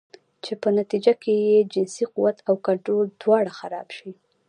چې پۀ نتيجه کښې ئې جنسي قوت او کنټرول دواړه خراب شي